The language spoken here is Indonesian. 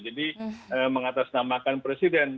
jadi mengatasnamakan presiden